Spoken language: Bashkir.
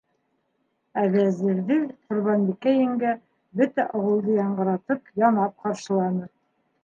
Ә Вәзирҙе Ҡорбанбикә еңгә, бөтә ауылды яңғыратып, янап ҡаршыланы.